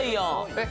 えっ